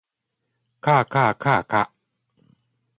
かあかあかあか